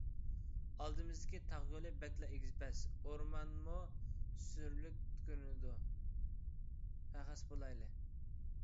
ئالدىمىزدىكى تاغ يولى بەكلا ئېگىز - پەس، ئورمانمۇ سۈرلۈك كۆرۈنىدۇ. پەخەس بولايلى.